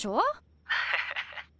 ハハハハ。